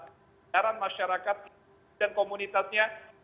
keadaan masyarakat dan komunitasnya